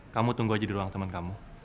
kamu tunggu aja di ruang teman kamu